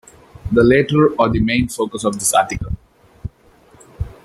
The latter are the main focus of this article.